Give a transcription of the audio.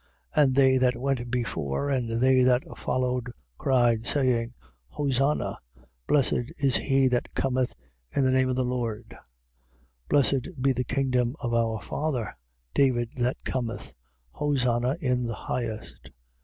11:9. And they that went before and they that followed cried, saying: Hosanna: Blessed is he that cometh in the name of the Lord. 11:10. Blessed be the kingdom of our father David that cometh: Hosanna in the highest.